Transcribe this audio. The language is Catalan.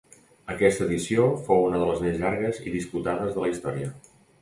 Aquesta edició fou una de les més llargues i disputades de la història.